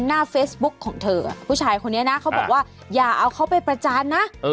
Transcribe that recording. หน้าเฟซบุ๊กของเธอผู้ชายคนนี้นะเขาบอกว่าอย่าเอาเขาไปประจานนะ